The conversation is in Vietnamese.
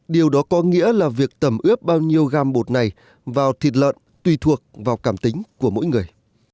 điều đó có nghĩa là việc tẩm ướp bao nhiêu gam bột này vào thịt lợn tùy thuộc vào cảm tính của mỗi người